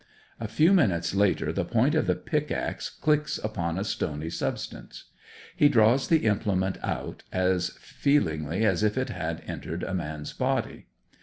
A few minutes later the point of the pickaxe clicks upon a stony substance. He draws the implement out as feelingly as if it had entered a man's body.